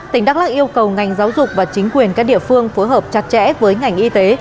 tỉnh đắk lắc yêu cầu ngành giáo dục và chính quyền các địa phương phối hợp chặt chẽ với ngành y tế